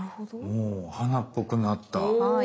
おお花っぽくなった。